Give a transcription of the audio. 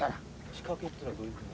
仕掛けっていうのはどういうふうな？